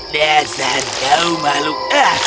dasar kau makhluk